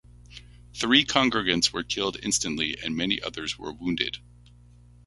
Three congregants were killed instantly and many others were wounded.